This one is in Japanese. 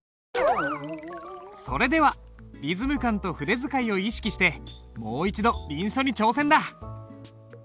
それではリズム感と筆使いを意識してもう一度臨書に挑戦だ。